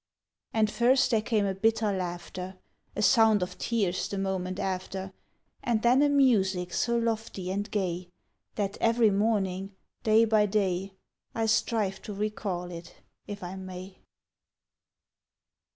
And first there came a bitter laughter; A sound of tears the moment after; And then a music so lofty and gay, That every morning, day by day, I strive to recall it if I may.